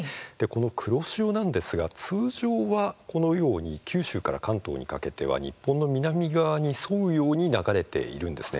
この黒潮なんですが通常は、このように九州から関東にかけては日本の南側に沿うように流れているんです。